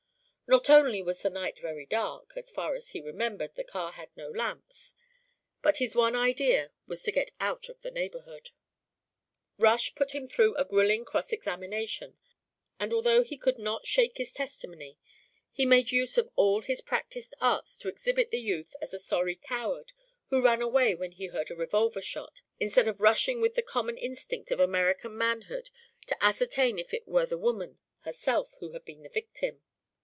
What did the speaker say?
Not only was the night very dark (as far as he remembered, the car had no lamps), but his one idea was to get out of the neighbourhood. Rush put him through a grilling cross examination, and although he could not shake his testimony, he made use of all his practised arts to exhibit the youth as a sorry coward who ran away when he heard a revolver shot instead of rushing with the common instinct of American manhood to ascertain if it were the woman herself who had been the victim.